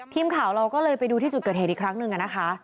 ทีมข่าวเราก็เลยไปดูที่จุดเกิดเหตุอีกครั้งหนึ่งนะคะ